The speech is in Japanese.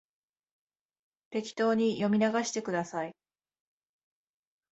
適当に読み流してください